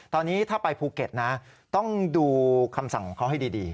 ตอนนี้ถ้าไปภูเก็ตนะต้องดูคำสั่งของเขาให้ดี